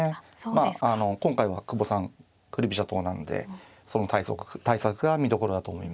まあ今回は久保さん振り飛車党なんでその対策が見どころだと思いますね。